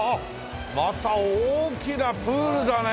また大きなプールだね！